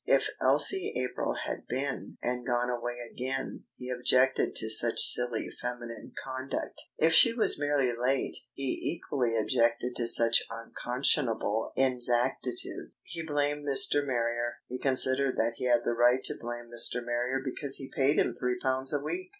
If Elsie April had been and gone away again, he objected to such silly feminine conduct. If she was merely late, he equally objected to such unconscionable inexactitude. He blamed Mr. Marrier. He considered that he had the right to blame Mr. Marrier because he paid him three pounds a week.